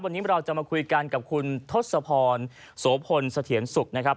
วันนี้เราจะมาคุยกันกับคุณทศพรโสพลเสถียรสุขนะครับ